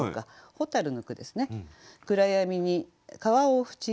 「蛍」の句ですね。